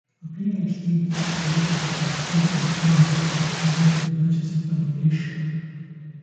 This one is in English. Her PhD dissertation was on social determinants of change of religious affiliation.